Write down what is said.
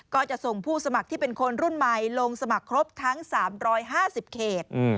ก็จะส่งผู้สมัครที่เป็นคนรุ่นใหม่ลงสมัครครบทั้ง๓๕๐เขต